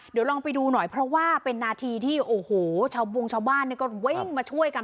เดี๋ยวลองไปดูหน่อยเพราะว่าเป็นนาทีที่โอ้โหชาวบงชาวบ้านเนี่ยก็วิ่งมาช่วยกัน